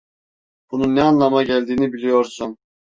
Bunun ne anlama geldiğini biliyorsun.